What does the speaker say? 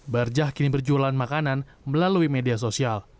barjah kini berjualan makanan melalui media sosial